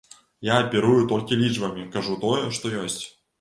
Я аперую толькі лічбамі, кажу тое, што ёсць.